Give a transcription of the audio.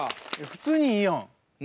普通にいいやん。